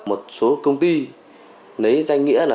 một số công ty lấy danh nghĩa là